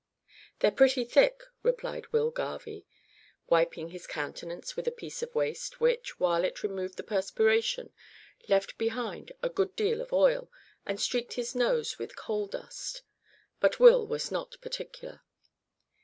"They're pretty thick," replied Will Garvie, wiping his countenance with a piece of waste, which, while it removed the perspiration, left behind a good deal of oil, and streaked his nose with coal dust. But Will was not particular!